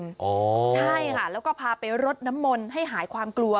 ใช่ค่ะแล้วก็พาไปรดน้ำมนต์ให้หายความกลัว